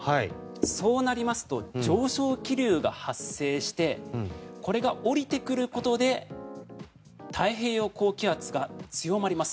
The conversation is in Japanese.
そうなりますと上昇気流が発生してこれが下りてくることで太平洋高気圧が強まります。